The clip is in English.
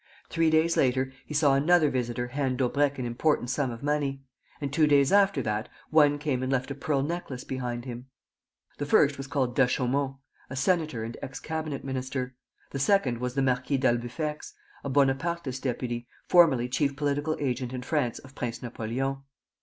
Three days later he saw another visitor hand Daubrecq an important sum of money. And, two days after that, one came and left a pearl necklace behind him. The first was called Dachaumont, a senator and ex cabinet minister. The second was the Marquis d'Albufex, a Bonapartist deputy, formerly chief political agent in France of Prince Napoleon.